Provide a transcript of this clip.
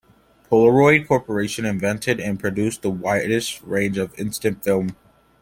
Polaroid Corporation invented and produced the widest range of instant film.